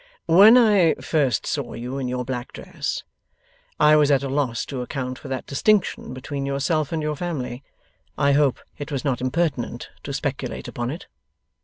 ') 'When I first saw you in your black dress, I was at a loss to account for that distinction between yourself and your family. I hope it was not impertinent to speculate upon it?